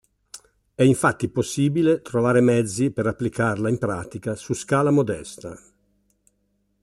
È infatti possibile trovare mezzi per applicarla in pratica su scala modesta.